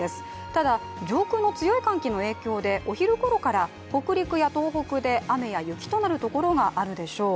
ただ上空の強い寒気の影響でお昼ごろから北陸や東北で雨や雪となるところがあるでしょう。